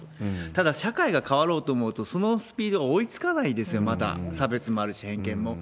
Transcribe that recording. ただ、社会が変わろうと思うと、そのスピードが追いつかないですよ、まだ差別もあるし、偏見も。